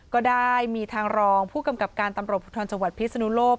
ก็ได้มีทางรองผู้กำกับการตำรวจภูทรจังหวัดพิศนุโลก